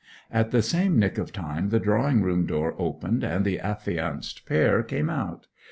At the same nick of time the drawing room door opened and the affianced pair came out.